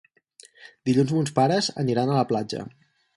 Dilluns mons pares aniran a la platja.